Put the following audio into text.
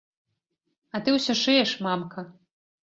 А ты ўсё шыеш, мамка?!